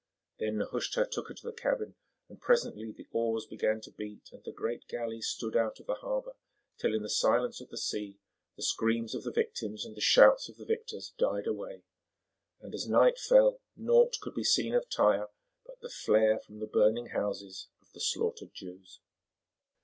Then Nehushta took her to the cabin, and presently the oars began to beat and the great galley stood out of the harbour, till in the silence of the sea the screams of the victims and the shouts of the victors died away, and as night fell naught could be seen of Tyre but the flare from the burning houses of the slaughtered Jews.